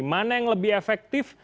mana yang lebih efektif